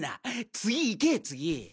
次行け次！